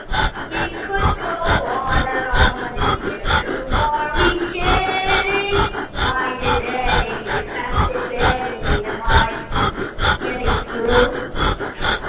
There are exceptions in both cases, however.